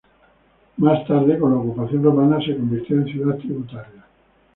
Más tarde, con la ocupación romana, se convirtió en ciudad tributaria.